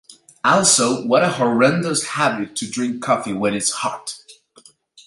Also, what a horrendous habit to drink coffee when it’s hot!